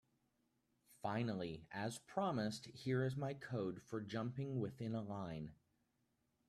Finally, as promised, here is my code for jumping within a line.